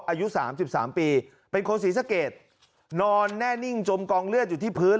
อายุสามสิบสามปีเป็นคนศรีสะเกดนอนแน่นิ่งจมกองเลือดอยู่ที่พื้น